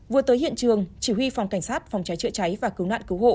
vừa tới hiện trường chỉ huy phòng cảnh sát phòng cháy chữa cháy và cứu nạn cứu hộ